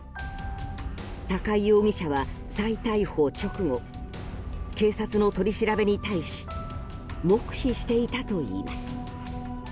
高井容疑者は再逮捕直後警察の取り調べに対し黙秘していたといいます。